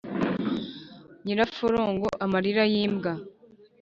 Nyiraforongo-Amarira y'imbwa.